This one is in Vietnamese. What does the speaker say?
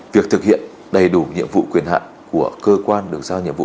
việc thực hiện đầy đủ nhiệm vụ quyền hạn của cơ quan được giao nhiệm vụ